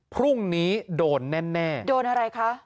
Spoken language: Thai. พรุ่งนี้โดนแน่โดนอะไรคะ